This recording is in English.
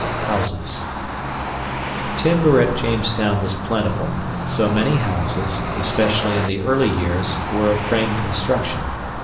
Houses Timber at Jamestown was plentiful, so many houses, especially in the early years, were of frame construction.